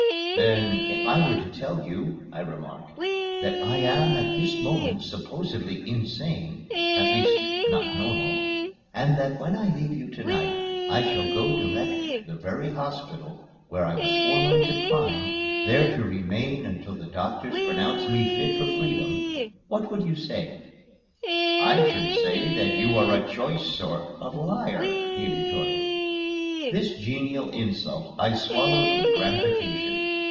"Then, if I were to tell you," I remarked, "that I am at this moment supposedly insane at least not normal and that when I leave you to night I shall go direct to the very hospital where I was formerly confined, there to remain until the doctors pronounce me fit for freedom, what would you say?" "I should say that you are a choice sort of liar," he retorted. This genial insult I swallowed with gratification.